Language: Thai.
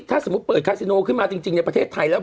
ถ้าสมมุติเปิดคาซิโนขึ้นมาจริงในประเทศไทยแล้ว